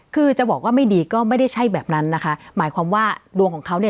คือจะบอกว่าไม่ดีก็ไม่ได้ใช่แบบนั้นนะคะหมายความว่าดวงของเขาเนี่ย